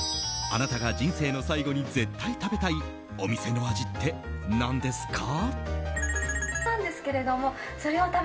あなたが人生の最後に絶対食べたいお店の味って何ですか？